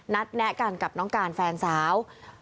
แนะกันกับน้องการแฟนสาว